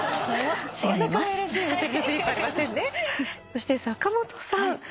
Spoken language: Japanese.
そして坂本さん。